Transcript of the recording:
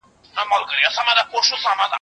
موږ چي ول بالا هرڅه به سم سي